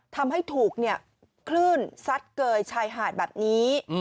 ทำให้ถูกคลื่นซัดเกยชายหาดแบบนี้